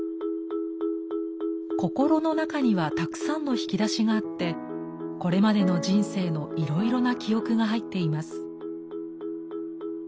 心の中にはたくさんの引き出しがあってこれまでの人生のいろいろな記憶が入っています。